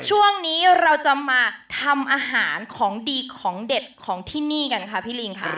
ช่วงนี้เราจะมาทำอาหารของดีของเด็ดของที่นี่กันค่ะพี่ลิงค่ะ